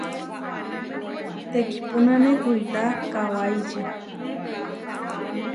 Teʼkipúnane kuitá kawáiči.